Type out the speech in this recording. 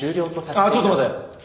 あっちょっと待って。